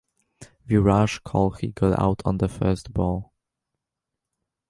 Viraj Kolhi got out on the first ball.